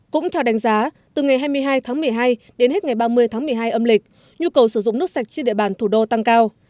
cũng theo đánh giá từ ngày hai mươi hai tháng một mươi hai đến hết ngày ba mươi tháng một mươi hai âm lịch nhu cầu sử dụng nước sạch trên địa bàn thủ đô tăng cao